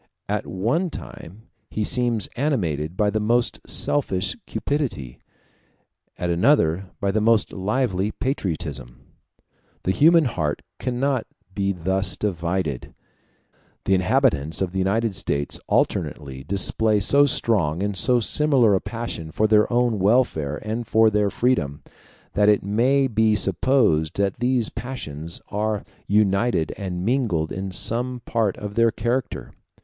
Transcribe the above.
At one time he seems animated by the most selfish cupidity, at another by the most lively patriotism. The human heart cannot be thus divided. The inhabitants of the United States alternately display so strong and so similar a passion for their own welfare and for their freedom, that it may be supposed that these passions are united and mingled in some part of their character.